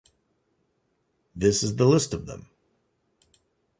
This is the list of them.